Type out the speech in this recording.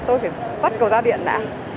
tôi phải tắt cầu ra điện đã